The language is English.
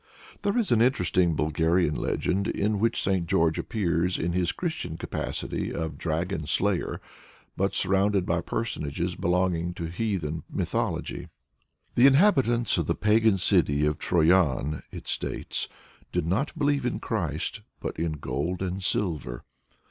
There is an interesting Bulgarian legend in which St. George appears in his Christian capacity of dragon slayer, but surrounded by personages belonging to heathen mythology. The inhabitants of the pagan city of Troyan, it states, "did not believe in Christ, but in gold and silver."